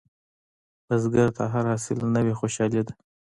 بزګر ته هر حاصل نوې خوشالي ده